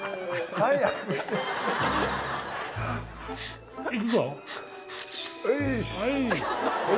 はい！